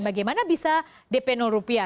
bagaimana bisa dp rupiah